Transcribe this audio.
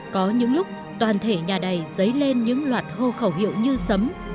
có những lúc toàn thể nhà đầy dấy lên những loạt hô khẩu hiệu như sấm